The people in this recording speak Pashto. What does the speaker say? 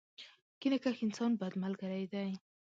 کینه کښ انسان ، بد ملګری دی.